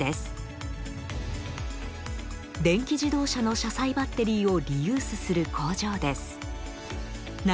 電気自動車の車載バッテリーをリユースする工場です。